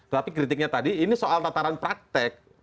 tapi kritiknya tadi ini soal tataran praktek